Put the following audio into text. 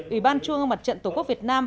ủy ban chung mặt trận tổ quốc việt nam